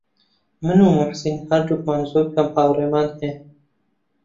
من و موحسین هەردووکمان زۆر کەم هاوڕێمان هەیە.